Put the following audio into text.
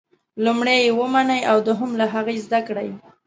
لومړی یې ومنئ او دوهم له هغې زده کړئ.